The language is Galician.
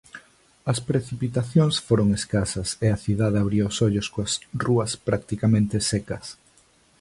As precipitacións foron escasas e a cidade abría os ollos coas rúas practicamente secas.